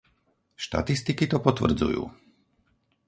Štatistiky to potvrdzujú.